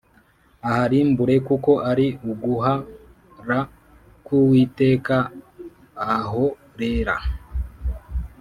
aharimbure kuko ari uguh ra k Uwiteka ah rera